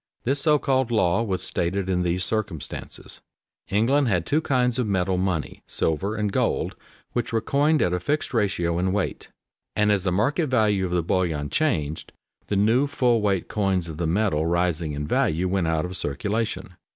_ This so called "law" was stated in these circumstances: England had two kinds of metal money, silver and gold, which were coined at a fixed ratio in weight; and as the market value of the bullion changed, the new full weight coins of the metal rising in value went out of circulation.